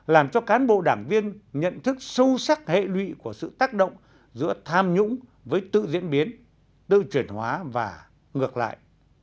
làm cho cán bộ đảng viên nhận thức sâu sắc hệ lụy của sự tác động giữa tham nhũng với tự diễn biến tự chuyển hóa và ngược lại